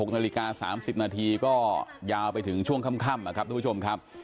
๖นาฬิกา๓๐นาทีก็ยาวไปถึงช่วงค่ำนะครับทุกผู้ชมครับ